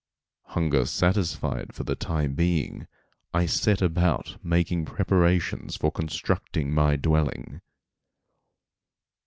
Hunger satisfied for the time being, I set about making preparations for constructing my dwelling.